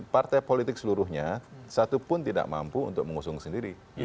partai politik seluruhnya satu pun tidak mampu untuk mengusung sendiri